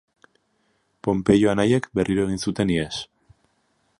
Ponpeio anaiek berriro egin zuten ihes.